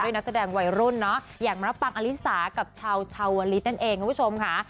นักแสดงวัยรุ่นเนาะอย่างมะปังอลิสากับชาวชาวลิศนั่นเองคุณผู้ชมค่ะ